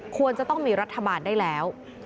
ควรจะต้องมีรัฐบาลได้แล้ว